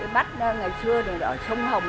bác ngày xưa thì ở sông hồng